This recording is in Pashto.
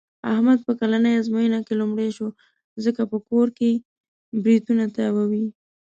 احمد په کلنۍ ازموینه کې لومړی شو. ځکه په کور کې برېتونه تاووي.